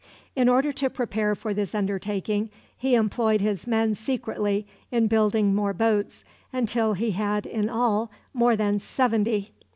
In order to prepare for this undertaking, he employed his men secretly in building more boats, until he had in all more than seventy.